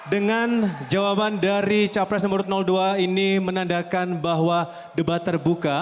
dengan jawaban dari capres nomor dua ini menandakan bahwa debat terbuka